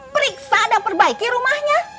periksa dan perbaiki rumahnya